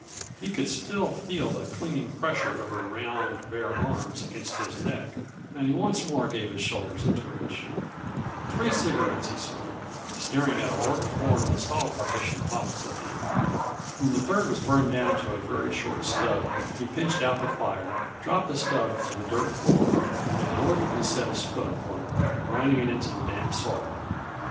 He could still feel the clinging pressure of her round, bare arms against his neck, and he once more gave his shoulders a twitch. Three cigarettes he smoked, staring at a warped board in the stall partition opposite him. When the third was burned down to a very short stub he pinched out the fire, dropped the stab to the dirt floor and deliberately set his foot upon it, grinding it into the damp soil.